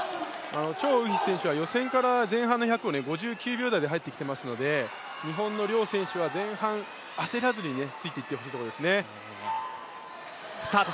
張雨霏選手は予選から前半の１００を５９秒台で入ってきていますので日本の両選手は前半焦らずについていってほしいところですね。